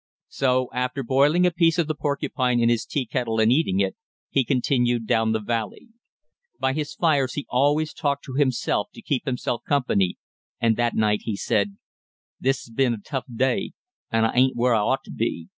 So after boiling a piece of the porcupine in his tea kettle and eating it, he continued down the valley. By his fires be always talked to himself to keep himself company, and that night he said: "This 's been a tough day, and I ain't where I ought to be.